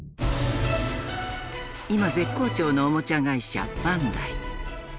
今絶好調のおもちゃ会社バンダイ。